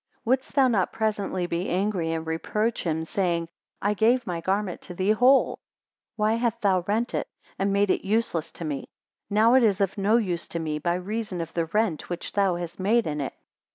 271 Wouldst thou not presently be angry, and reproach him, saying: I gave my garment to thee whole, why halt thou rent it, and made it useless to me? Now it is of no use to me, by reason of the rent which thou hast made in it.